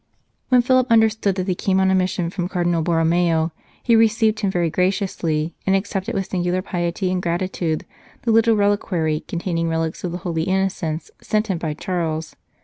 When Philip understood that he came on a mission from Cardinal Borromeo, he received him very graciously, and accepted with singular piety and gratitude the little reliquary containing relics of the Holy Innocents sent him by Charles.